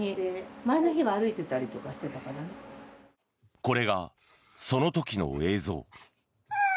これが、その時の映像。